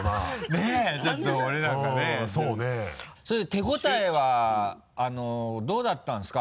手応えはどうだったんですか？